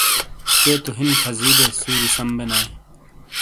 چے تو ہین کھازی بے سوری سم بے نائے ۔